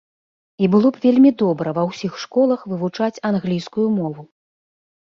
І было б вельмі добра ва ўсіх школах вывучаць англійскую мову.